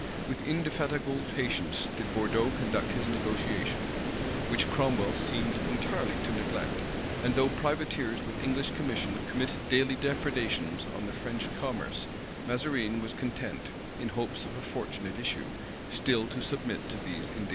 With indefatigable patience did Bourdeaux conduct this negotiation, which Cromwell seemed entirely to neglect; and though privateers with English commission committed daily depredations on the French commerce, Mazarine was content, in hopes of a fortunate issue, still to submit to these indignities.